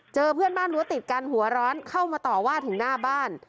เพื่อนบ้านรั้วติดกันหัวร้อนเข้ามาต่อว่าถึงหน้าบ้าน